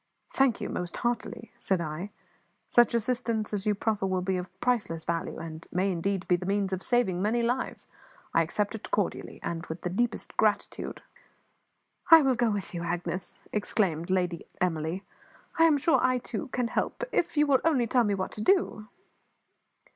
"Thank you, most heartily," said I. "Such assistance as you proffer will be of priceless value, and may indeed be the means of saving many lives. I accept it cordially, and with the deepest gratitude." "I will go with you, Agnes," exclaimed Lady Emily; "I am sure I, too, can help, if you will only tell me what to do."